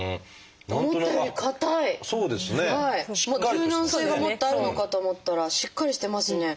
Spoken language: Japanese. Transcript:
柔軟性がもっとあるのかと思ったらしっかりしてますね。